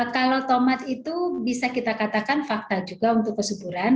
kalau tomat itu bisa kita katakan fakta juga untuk kesuburan